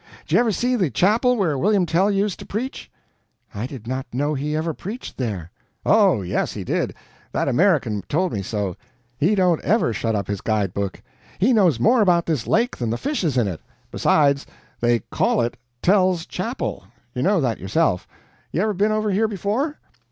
Did you ever see the chapel where William Tell used to preach?" "I did not know he ever preached there." "Oh, yes, he did. That American told me so. He don't ever shut up his guide book. He knows more about this lake than the fishes in it. Besides, they CALL it 'Tell's Chapel' you know that yourself. You ever been over here before?"